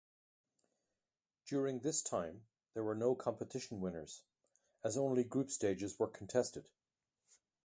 During this time there were no competition winners, as only group stages were contested.